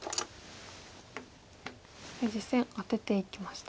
実戦アテていきました。